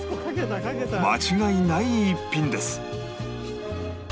間違いない一品です